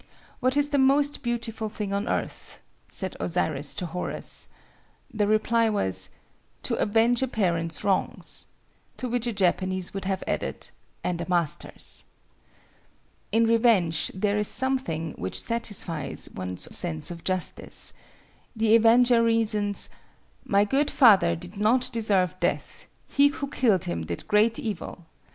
"What is the most beautiful thing on earth?" said Osiris to Horus. The reply was, "To avenge a parent's wrongs,"—to which a Japanese would have added "and a master's." In revenge there is something which satisfies one's sense of justice. The avenger reasons:—"My good father did not deserve death. He who killed him did great evil.